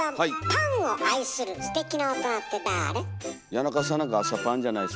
谷中さんなんか朝パンじゃないですか？